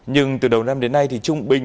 nhưng từ đầu năm đến nay thì trung bình